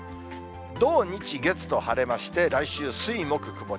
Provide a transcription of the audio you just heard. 土、日、月と晴れまして、来週、水、木、曇り。